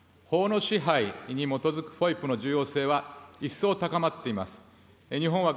法の支配に基づくＦＯＩＰの重要性は一層高まっています。